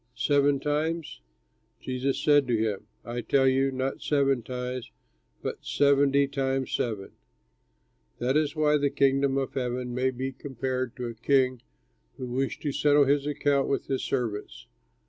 Seven times?" Jesus said to him, "I tell you, not seven times but seventy times seven. "That is why the Kingdom of Heaven may be compared to a king who wished to settle his accounts with his servants.